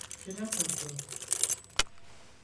Selam patron.